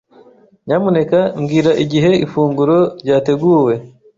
Nyamuneka mbwira igihe ifunguro ryateguwe.